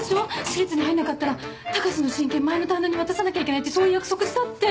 私立に入んなかったら高志の親権前の旦那に渡さなきゃいけないってそういう約束したって。